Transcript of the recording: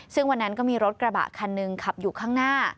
ซึ่งวันนั้นก็มีรถกระบะคันหนึ่งขับอยู่ข้างหน้า